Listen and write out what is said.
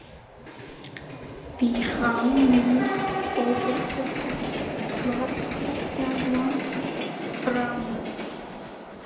Wij gaan nu over tot het laatste deel van het vragenuur.